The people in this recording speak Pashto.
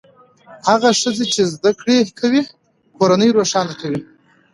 هغه ښځې چې زده کړې کوي کورنۍ روښانه کوي.